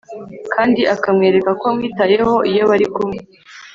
kandi akamwereka ko amwitayeho iyo barikumwe